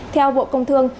theo bộ công thương